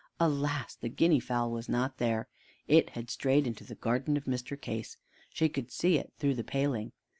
Alas! the guinea fowl was not there. It had strayed into the garden of Mr. Case. She could see it through the paling.